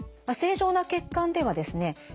正常な血管ではですね